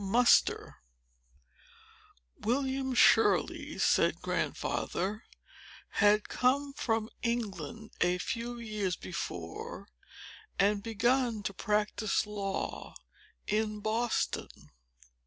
Chapter VIII "William Shirley," said Grandfather, "had come from England a few years before, and begun to practise law in Boston.